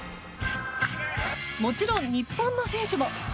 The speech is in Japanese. もちろん日本の選手も。